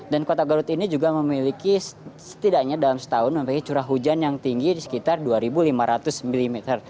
dan kota garut ini juga memiliki setidaknya dalam setahun memiliki curah hujan yang tinggi di sekitar dua lima ratus mm